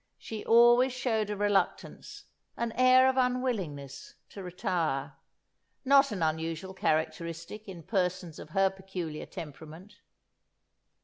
She always showed a reluctance, an air of unwillingness, to retire; not an unusual characteristic in persons of her peculiar temperament.